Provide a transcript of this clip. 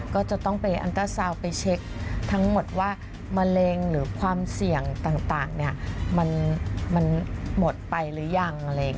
ก็จะต้องไปอันตราซาวน์ไปเช็คทั้งหมดว่ามะเร็งหรือความเสี่ยงต่างมันหมดไปหรือยังอะไรอย่างนี้